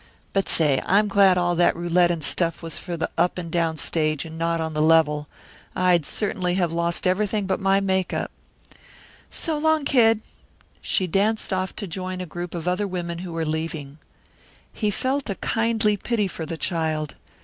But say, I'm glad all that roulette and stuff was for the up and down stage and not on the level. I'd certainly have lost everything but my make up. So long, Kid!" She danced off to join a group of other women who were leaving. He felt a kindly pity for the child.